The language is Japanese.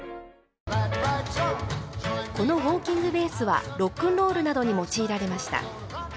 このウォーキングベースはロックンロールなどに用いられました。